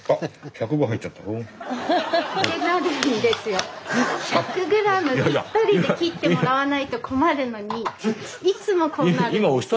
１００ｇぴったりで切ってもらわないと困るのにいつもこうなるんです。